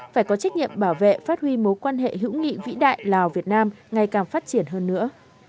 phải có trách nhiệm bảo vệ phát huy mối quan hệ hữu nghị vĩ đại lào việt nam ngày càng phát triển hơn nữa